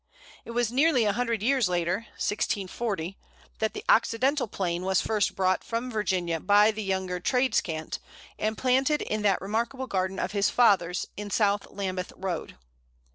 It was nearly a hundred years later (1640) that the Occidental Plane was first brought from Virginia by the younger Tradescant, and planted in that remarkable garden of his father's in South Lambeth Road.